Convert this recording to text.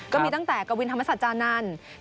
ก็มีตั้งแต่กวินธรรมศาจานันทร์